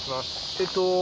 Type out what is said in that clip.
えっと。